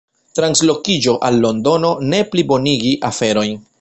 Translokiĝo al Londono ne plibonigi aferojn.